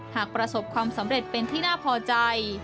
หากประสบความสำเร็จเป็นที่น่าพอใจ